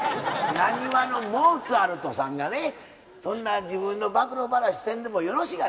浪花のモーツァルトさんがねそんな自分の暴露話せんでもよろしがな。